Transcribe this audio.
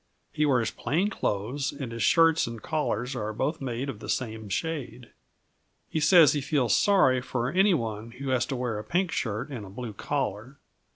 He wears plain clothes and his shirts and collars are both made of the same shade. He says he feels sorry for any one who has to wear a pink shirt with a blue collar.